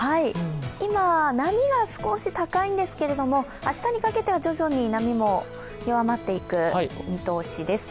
今、波が少し高いんですけれども明日にかけては徐々に波も弱まっていく見通しです。